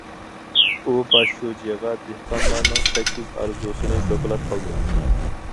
ئۇ باش شۇجىغا دېھقانلارنىڭ سەككىز ئارزۇسىنى دوكلات قىلدى.